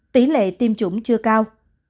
tỷ lệ tiêm chủng chưa cao